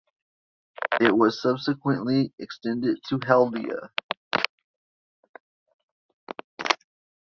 It was subsequently extended to Haldia.